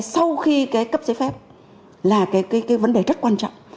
sau khi cái cấp giấy phép là cái vấn đề rất quan trọng